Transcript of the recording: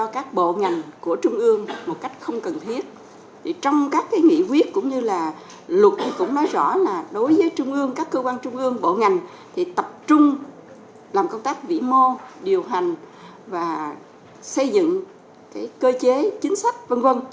các cơ quan trung ương bộ ngành tập trung làm công tác vĩ mô điều hành và xây dựng cơ chế chính sách v v